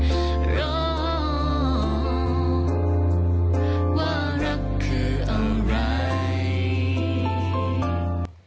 ว่ารักคืออะไร